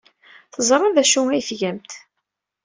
Teẓra d acu ay tgamt.